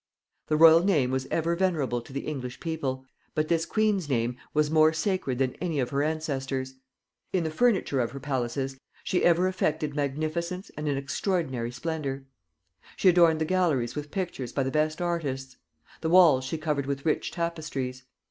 The royal name was ever venerable to the English people; but this queen's name was more sacred than any of her ancestors.... In the furniture of her palaces she ever affected magnificence and an extraordinary splendor. She adorned the galleries with pictures by the best artists; the walls she covered with rich tapestries.